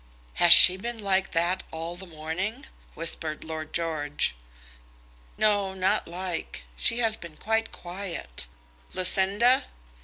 "Has she been like that all the morning?" whispered Lord George. "No; not like. She has been quite quiet. Lucinda!"